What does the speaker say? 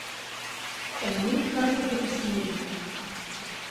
Само не ми кажувај дека си невин.